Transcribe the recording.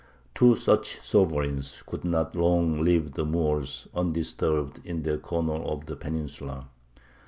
Two such sovereigns could not long leave the Moors undisturbed in their corner of the peninsula.